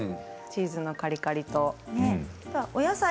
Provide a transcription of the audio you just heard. チーズのカリカリとお野菜。